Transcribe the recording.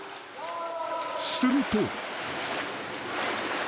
［すると］